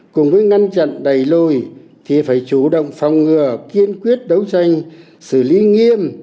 cùng với ngăn chặn đầy lôi thì phải chủ động phòng ngừa kiên quyết đấu tranh xử lý nghiêm